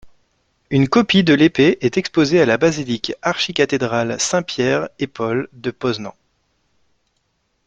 Une copie de l'épée est exposée à la basilique-archicathédrale Saint-Pierre-et-Paul de Poznań.